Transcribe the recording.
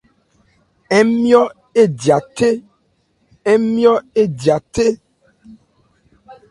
Ńmyɔ́ édya thé.